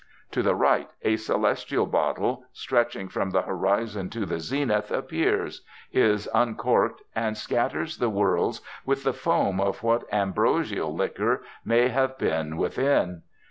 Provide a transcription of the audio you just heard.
To the right a celestial bottle, stretching from the horizon to the zenith, appears, is uncorked, and scatters the worlds with the foam of what ambrosial liquor may have been within.